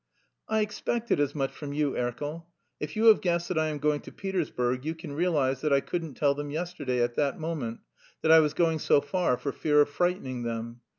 "I expected as much from you, Erkel. If you have guessed that I am going to Petersburg you can realise that I couldn't tell them yesterday, at that moment, that I was going so far for fear of frightening them.